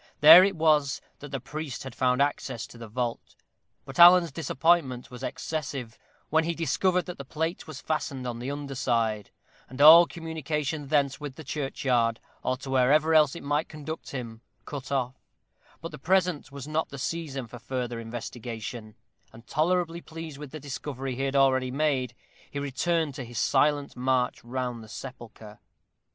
There it was that the priest had found access to the vault; but Alan's disappointment was excessive, when he discovered that the plate was fastened on the underside, and all communication thence with the churchyard, or to wherever else it might conduct him, cut off: but the present was not the season for further investigation, and tolerably pleased with the discovery he had already made, he returned to his silent march round the sepulchre.